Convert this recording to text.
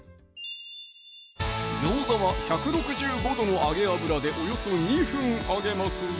餃子は１６５℃の揚げ油でおよそ２分揚げますぞ